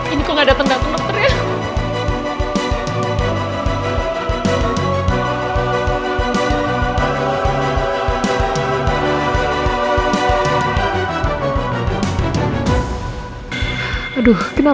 ini kok nggak datang datang dokter ya